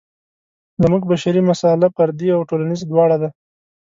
زموږ بشري مساله فردي او ټولنیزه دواړه ده.